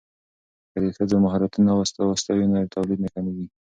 که د ښځو مهارتونه وستایو نو تولید نه کمیږي.